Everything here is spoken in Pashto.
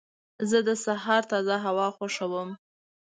زه د سهار تازه هوا خوښوم.